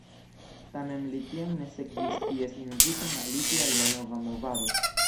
Tamen li tiam ne sekvis ties inviton aliĝi al la nova movado.